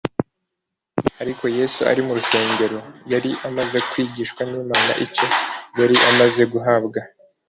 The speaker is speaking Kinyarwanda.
, Ariko Yesu ari mu rusengero, yari amaze kwigishwa n’Imana. Icyo yari amaze guhabwa